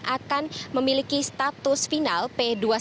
akan memiliki status final p dua